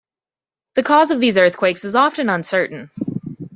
The cause of these earthquakes is often uncertain.